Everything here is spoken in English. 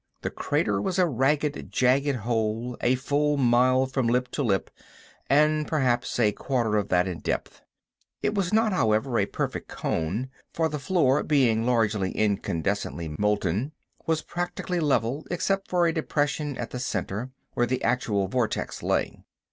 The crater was a ragged, jagged hole a full mile from lip to lip and perhaps a quarter of that in depth. It was not, however, a perfect cone, for the floor, being largely incandescently molten, was practically level except for a depression at the center, where the actual vortex lay.